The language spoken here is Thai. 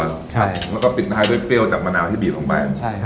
แล้วก็ปิดท้ายด้วยเปรี้ยวจากมะนาวที่บีบลงไป